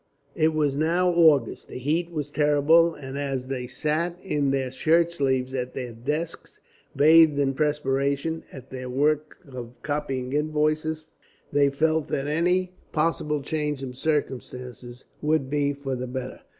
It was now August, the heat was terrible, and as they sat in their shirtsleeves at their desks, bathed in perspiration, at their work of copying invoices, they felt that any possible change of circumstances would be for the better.